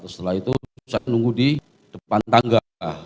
setelah itu saya nunggu di depan tangga